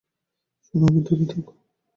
শোনো আমি-- -দূরে থাকো!